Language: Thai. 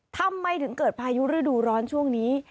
ทำไมถึงเกิดพายุฤดูร้อนช่วงนี้